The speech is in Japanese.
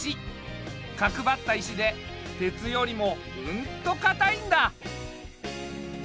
角ばった石で鉄よりもうんと硬いんだ。